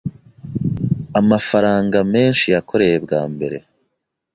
Amafaranga menshi yakoreye bwa mbere